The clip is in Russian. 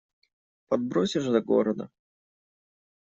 Подбросишь до города?